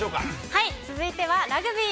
はい、続いてはラグビー。